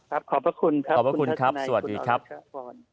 ขอบคุณครับคุณทัศนายคุณอรัฐชะวร